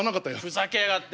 ふざけやがって！